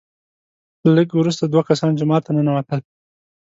لږ وروسته دوه کسان جومات ته ننوتل،